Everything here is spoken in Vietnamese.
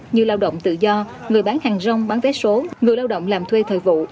như lao động tự do người bán hàng rong bán vé số người lao động làm thuê thời vụ